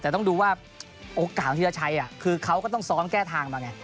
แต่ต้องดูว่าโอกาสธีรชัยคือเขาก็ต้องซ้อมแก้ทางมาไง